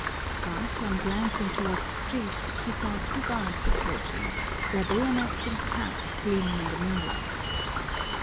But, on glancing toward the street, he saw two guards approaching, their bayonets and caps gleaming in the moonlight.